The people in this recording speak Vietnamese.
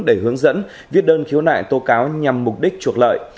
để hướng dẫn viết đơn khiếu nại tô cáo nhằm mục đích chuộc lợi